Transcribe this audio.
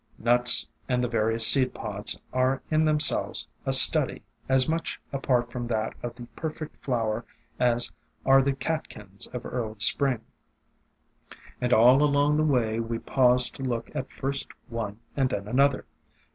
Nuts and the various seed pods are in them selves a study, as much apart from that of the perfect flower as are the catkins of early Spring; and all along the way we paused to look at first one and then another.